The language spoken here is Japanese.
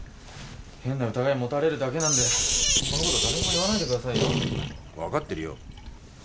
変な疑い持たれるだけなんでこのことは誰にも言わないでくださいよ。分かってるよ。